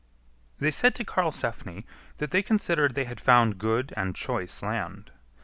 ] They said to Karlsefni that they considered they had found good and choice land.